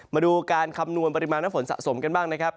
มาดูการคำนวณปริมาณน้ำฝนสะสมกันบ้างนะครับ